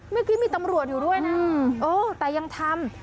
เมื่อกี้มีตำรวจอยู่ด้วยนะเออแต่ยังทำ